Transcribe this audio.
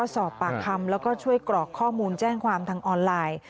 สอบปากคำแล้วก็ช่วยกรอกข้อมูลแจ้งความทางออนไลน์